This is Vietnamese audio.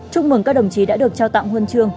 chúc mừng các đồng chí đã được trao tặng huân chương